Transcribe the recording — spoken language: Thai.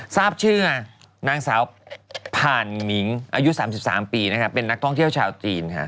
ทราบชื่อนางสาวผ่านมิ้งอายุ๓๓ปีเป็นนักท่องเที่ยวชาวจีน